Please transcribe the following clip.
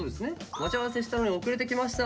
「待ち合わせしたのに遅れてきました。